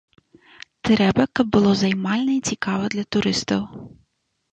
Трэба, каб было займальна і цікава для турыстаў.